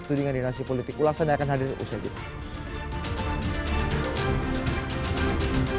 tudingan dinasti politik ulasannya akan hadir di usia jepang